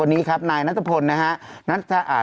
วันนี้ครับนายนัทพลนะฮะ